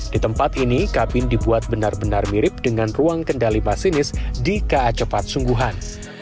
di tempat ini kabin dibuat benar benar mirip dengan ruang kendali masinis di ka cepat sungguhan